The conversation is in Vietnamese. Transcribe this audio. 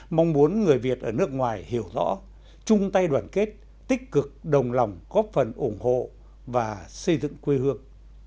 mong muốn người việt ở nước ngoài hiểu rõ chung tay đoàn kết tích cực đồng lòng góp phần ủng hộ và xây dựng quê hương